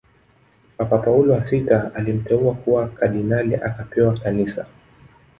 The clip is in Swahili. Papa Paulo wa sita alimteua kuwa kardinali akapewa kanisa